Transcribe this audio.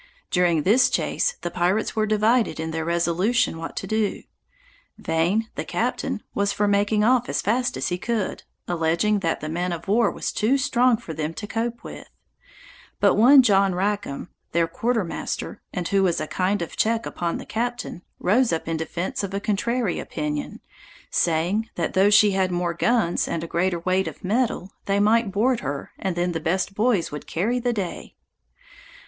During this chase the pirates were divided in their resolution what to do. Vane, the captain, was for making off as fast as he could, alleging that the man of war was too strong for them to cope with; but one John Rackam, their quarter master, and who was a kind of check upon the captain, rose up in defence of a contrary opinion, saying, "that though she had more guns, and a greater weight of metal, they might board her, and then the best boys would carry the day."